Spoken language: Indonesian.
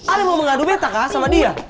ale mau mengadu betta kah sama dia